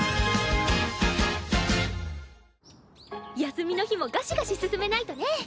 休みの日もガシガシ進めないとね。